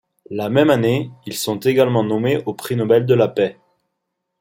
La même année, ils sont également nommés au prix nobel de la paix.